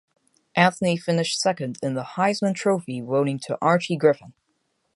Anthony finished second in the Heisman Trophy voting to Archie Griffin.